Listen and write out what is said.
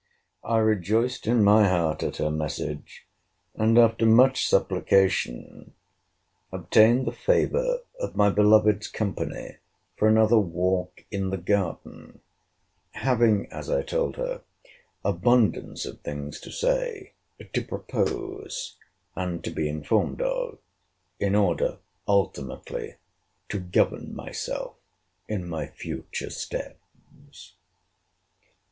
I rejoiced in my heart at her message; and, after much supplication, obtained the favour of my beloved's company for another walk in the garden, having, as I told her, abundance of things to say, to propose, and to be informed of, in order ultimately to govern myself in my future steps.